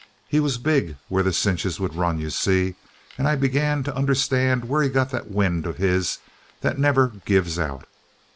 He was big where the cinches would run, you see, and I began to understand where he got that wind of his that never gives out.